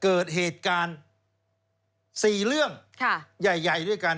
เกิดเหตุการณ์๔เรื่องใหญ่ด้วยกัน